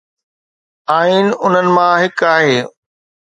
آئين انهن مان هڪ آهي.